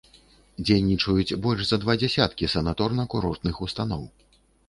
Дзейнічаюць больш за два дзесяткі санаторна-курортных устаноў.